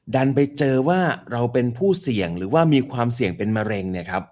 ดันไปเจอว่าเราเป็นผู้เสี่ยงหรือว่ามีความเสี่ยงเป็นมะเร็งเนี่ยครับ